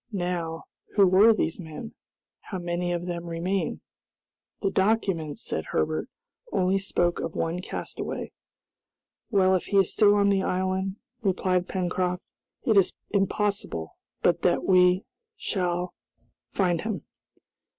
Now, who were these men? How many of them remain?" "The document," said Herbert, "only spoke of one castaway." "Well, if he is still on the island," replied Pencroft, "it is impossible but that we shall find him."